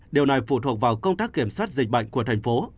điều này phụ thuộc vào công tác kiểm soát dịch bệnh của thành phố